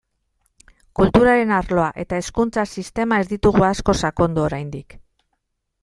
Kulturaren arloa eta hezkuntza sistema ez ditugu asko sakondu oraindik.